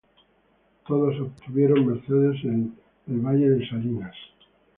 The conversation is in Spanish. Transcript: Todos obtuvieron mercedes en el Valle de Salinas.